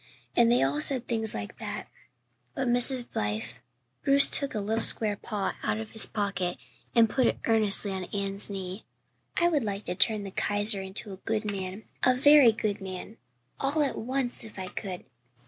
And they all said things like that. But Mrs. Blythe" Bruce took a little square paw out of his pocket and put it earnestly on Anne's knee "I would like to turn the Kaiser into a good man a very good man all at once if I could.